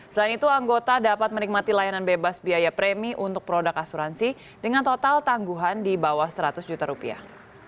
selain itu anggota dapat menikmati layanan bebas biaya premi untuk produk asuransi dengan total tangguhan di bawah seratus juta rupiah